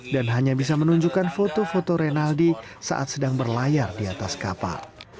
dan hanya bisa menunjukkan foto foto renaldi saat sedang berlayar di atas kapal